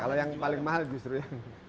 kalau yang paling mahal justru ya